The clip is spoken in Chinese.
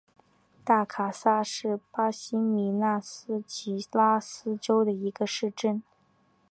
大卡萨是巴西米纳斯吉拉斯州的一个市镇。